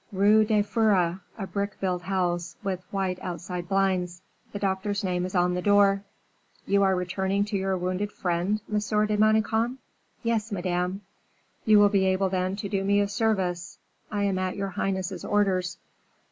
"Rue du Feurre; a brick built house, with white outside blinds. The doctor's name is on the door." "You are returning to your wounded friend, Monsieur de Manicamp?" "Yes, Madame." "You will be able, then, to do me a service." "I am at your highness's orders."